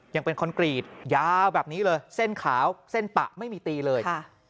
ยังเป็นคอนกรีตยาวแบบนี้เลยเส้นขาวเส้นปะไม่มีตีเลย